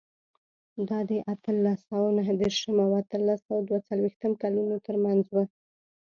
دا د اتلس سوه نهه دېرش او اتلس سوه دوه څلوېښت کلونو ترمنځ و.